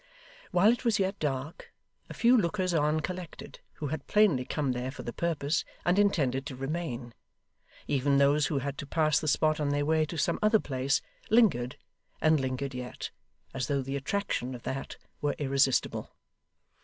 While it was yet dark, a few lookers on collected, who had plainly come there for the purpose and intended to remain: even those who had to pass the spot on their way to some other place, lingered, and lingered yet, as though the attraction of that were irresistible.